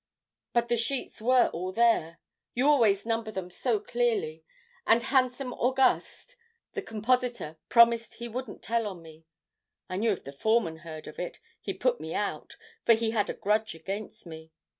But the sheets were all there, you always number them so clearly, and 'handsome August,' the compositer, promised he wouldn't tell on me. I knew if the foreman heard of it, he'd put me out, for he had a grudge against me.